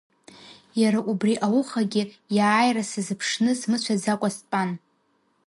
Иара убри аухагьы иааира сазыԥшны смыцәаӡакәа стәан.